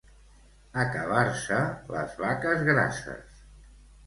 Acabar-se les vaques grasses.